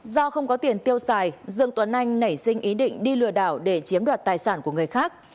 do không có tiền tiêu xài dương tuấn anh nảy sinh ý định đi lừa đảo để chiếm đoạt tài sản của người khác